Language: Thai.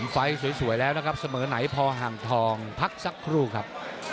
ไฟล์สวยแล้วนะครับเสมอไหนพอห่างทองพักสักครู่ครับ